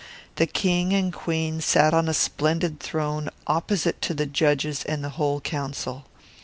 The king and the queen sat on splendid thrones opposite to the judges and the whole council.